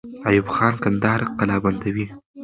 ایوب خان کندهار قلابندوي.